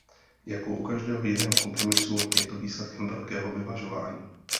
Jako u každého jiného kompromisu je to výsledkem velkého vyvažování.